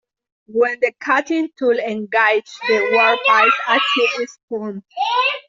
When the cutting tool engages the workpiece, a chip is formed.